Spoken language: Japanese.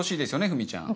ふみちゃん。